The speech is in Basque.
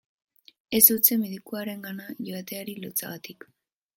Ez utzi medikuarengana joateari lotsagatik.